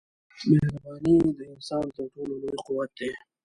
مهرباني د انسان تر ټولو لوی قوت دی.